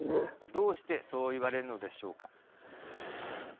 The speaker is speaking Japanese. どうしてそう言われるのでしょうか。